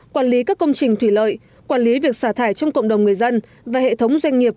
quản lý các công trình thủy lợi quản lý việc xả thải trong cộng đồng người dân và hệ thống doanh nghiệp